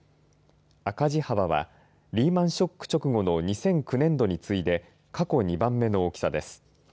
赤字幅はリーマンショック直後の２００９年度に次いで過去２番目の大きさです。